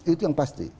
itu yang pasti